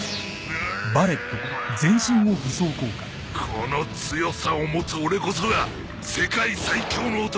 この強さを持つ俺こそが世界最強の男。